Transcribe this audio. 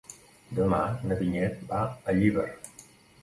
Demà na Vinyet va a Llíber.